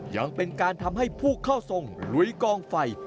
ยังเป็นการทำให้ผู้เข้าทรงลุยกองไฟ